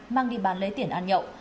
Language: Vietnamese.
mang đi bán lấy tiền ăn nhậu